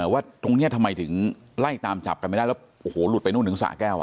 ว่าตรงนี้ทำไมถึงไล่ตามจับกันไม่ได้แล้วโอ้โหหลุดไปนู่นถึงสระแก้ว